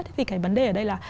thì cái vấn đề ở đây là